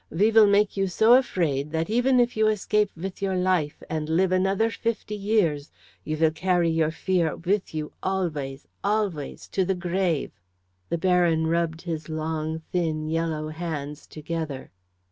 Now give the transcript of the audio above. We will make you so afraid that, even if you escape with your life, and live another fifty years, you will carry your fear with you always always to the grave." The Baron rubbed his long, thin, yellow hands together.